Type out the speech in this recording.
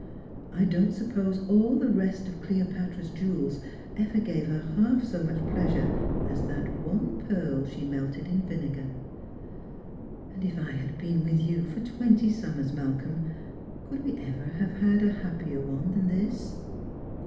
I don't supposfe all the rest of Cleopatra's jewels ever gave her half so much pleasure as that one pearl she melted in vinegar. And if I had been with you for twenty summers, Malcolm, could we ever have had a happier one than this